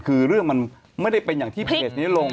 คือเรื่องมันไม่ได้เป็นอย่างที่เพจนี้ลง